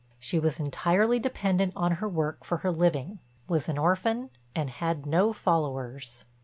She was entirely dependent on her work for her living, was an orphan, and had no followers.